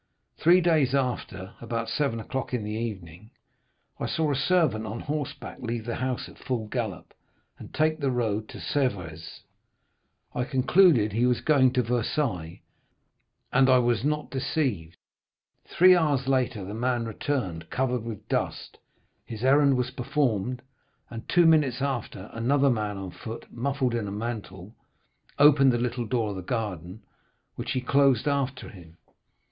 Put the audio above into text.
Three days after, about seven o'clock in the evening, I saw a servant on horseback leave the house at full gallop, and take the road to Sèvres. I concluded that he was going to Versailles, and I was not deceived. Three hours later, the man returned covered with dust, his errand was performed, and two minutes after, another man on foot, muffled in a mantle, opened the little door of the garden, which he closed after him.